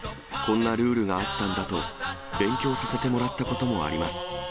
こんなルールがあったんだと、勉強させてもらったこともあります。